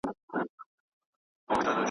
او له ده څخه ئې وغوښتل